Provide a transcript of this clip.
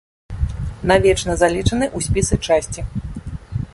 Навечна залічаны ў спісы часці.